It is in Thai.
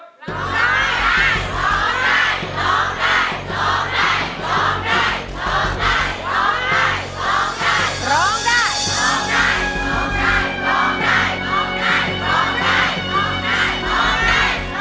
ร้องได้ร้องได้